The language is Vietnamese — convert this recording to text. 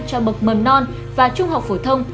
cho bậc mầm non và trung học phổ thông